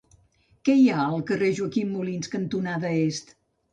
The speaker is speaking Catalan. Què hi ha al carrer Joaquim Molins cantonada Est?